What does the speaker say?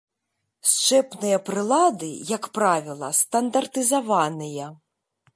Счэпныя прылады, як правіла, стандартызаваныя.